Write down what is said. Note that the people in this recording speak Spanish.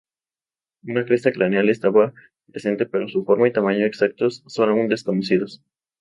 Una cresta craneal estaba presente pero su forma y tamaño exactos son aún desconocidos.